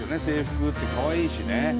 制服ってかわいいしね。